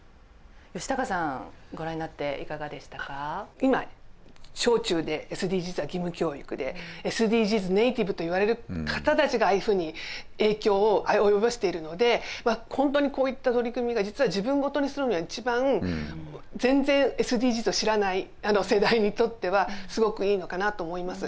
今小中でＳＤＧｓは義務教育でＳＤＧｓネイティブといわれる方たちがああいうふうに影響を及ぼしているので本当にこういった取り組みが実は自分事にするには一番全然ＳＤＧｓを知らない世代にとってはすごくいいのかなと思います。